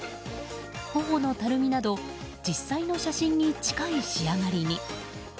頬のたるみなど実際の写真に近い仕上がりに。